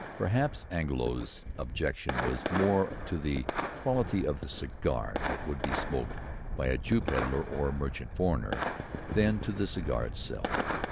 Perhaps Angelo's objection was more to the quality of the cigar that would be smoked by a "Jew pedlar or mendicant foreigner," than to the cigar itself.